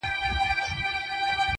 اوس به څوك د جلالا ګودر ته يوسي-